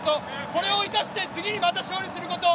これを生かして次にまた勝利すること。